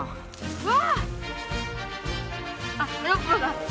うわ！